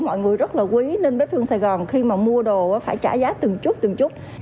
mọi người rất là quý nên bếp thương sài gòn khi mà mua đồ phải trả giá từng đồng